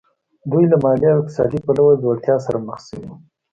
دوی له مالي او اقتصادي پلوه ځوړتیا سره مخ شوي وو